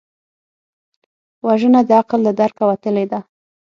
وژنه د عقل له درکه وتلې ده